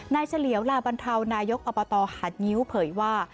นายเฉลียวลาบันทราวนายกอบตหัดงิ้วเผยว่า